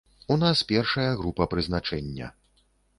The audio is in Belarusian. У нас першая група прызначэння.